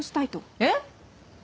えっ？